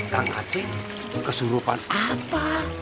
kang haci kesurupan apa